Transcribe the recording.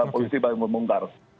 polisi mau mongkar